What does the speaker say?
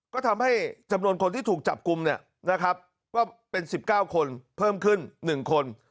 ก็ทำให้จำนวนคนที่ถูกจับกลุ่มเนี่ยนะครับก็เป็น๑๙คนเพิ่มขึ้น๑คน